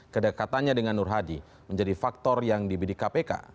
kedekatannya dengan nur hadi menjadi faktor yang dibidik kpk